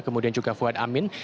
kemudian juga fuad amin